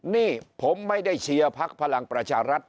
นี่ผมไม่ได้เชียร์พักพลังประชารัฐ